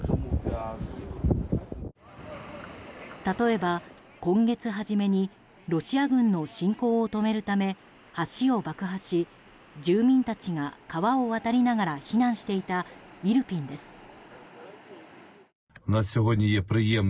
例えば、今月初めにロシア軍の侵攻を止めるため橋を爆破し住民たちが川を渡りながら避難していたイルピンです。